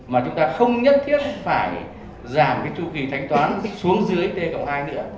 mà chúng ta không nhất thiết phải giảm cái chu kỳ thanh toán xuống dưới t cộng hai nữa